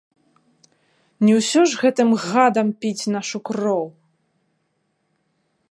Не ўсё ж гэтым гадам піць нашу кроў!